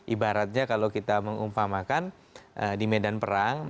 ibaratnya kalau kita mengumpamakan di medan perang